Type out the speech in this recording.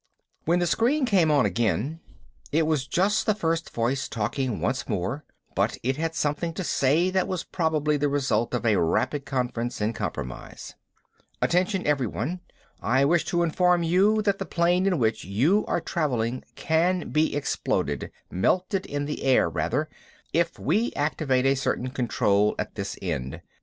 When the screen came on again, it was just the first voice talking once more, but it had something to say that was probably the result of a rapid conference and compromise. "Attention, everyone! I wish to inform you that the plane in which you are traveling can be exploded melted in the air, rather if we activate a certain control at this end.